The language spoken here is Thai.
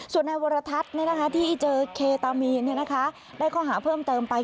ส่วนนายวรทัศน์ที่เจอเคตามีนได้ข้อหาเพิ่มเติมไป